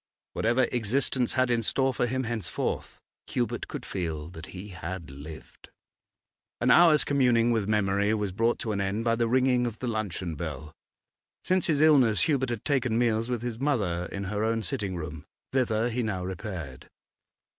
Whatever existence had in store for him henceforth, Hubert could feel that he had lived. An hour's communing with memory was brought to an end by the ringing of the luncheon bell. Since his illness Hubert had taken meals with his mother in her own sitting room. Thither he now repaired.